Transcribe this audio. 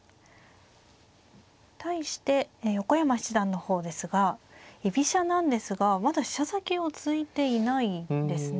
対して横山七段の方ですが居飛車なんですがまだ飛車先を突いていないですね。